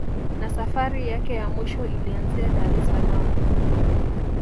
Na safari yake ya mwisho ilianzia Dar es saalam